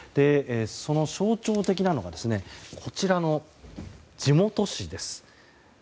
その象徴的なのが地元紙です。